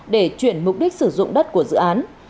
để chuyển mục đích sử dụng đất của dự án